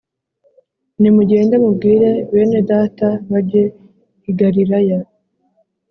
nimugende mubwire bene Data bajye i Galilaya